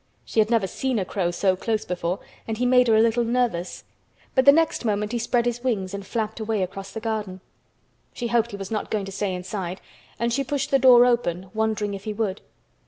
She had never seen a crow so close before and he made her a little nervous, but the next moment he spread his wings and flapped away across the garden. She hoped he was not going to stay inside and she pushed the door open wondering if he would.